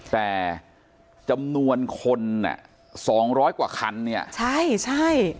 แต่จำนวนคนอ่ะสองร้อยกว่าคันเนี่ยใช่ใช่